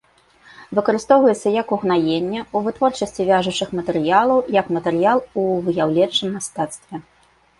Выкарыстоўваецца як угнаенне, у вытворчасці вяжучых матэрыялаў, як матэрыял у выяўленчым мастацтве.